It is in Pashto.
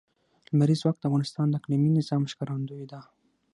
لمریز ځواک د افغانستان د اقلیمي نظام ښکارندوی ده.